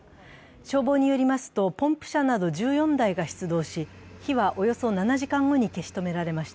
消防によりますとポンプ車など１４台が出動し火はおよそ７時間後に消し止められました。